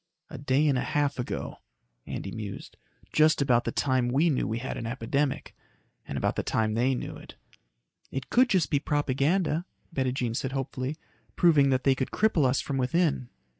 "A day and half ago," Andy mused. "Just about the time we knew we had an epidemic. And about the time they knew it." "It could be just propaganda," Bettijean said hopefully, "proving that they could cripple us from within."